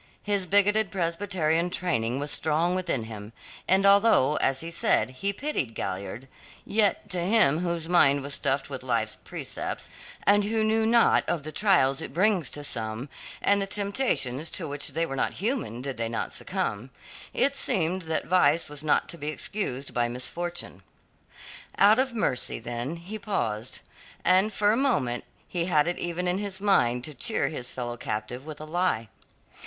His bigoted Presbyterian training was strong within him, and although, as he said, he pitied Galliard, yet to him whose mind was stuffed with life's precepts, and who knew naught of the trials it brings to some and the temptations to which they were not human did they not succumb it seemed that vice was not to be excused by misfortune. Out of mercy then he paused, and for a moment he had it even in his mind to cheer his fellow captive with a lie.